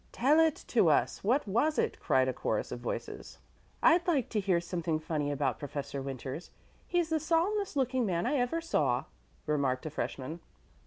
"Tell it to us. What was it?" cried a chorus of voices. "I'd like to hear something funny about Professor Winters; he's the solemnest looking man I ever saw," remarked a freshman.